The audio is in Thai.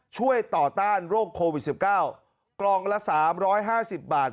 ช่วยต่อต้านโรคโควิด๑๙กล่องละ๓๕๐บาท